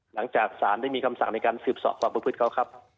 หลังจากสารได้มีคำสั่งในการสืบสอบความประพฤติเขาครับ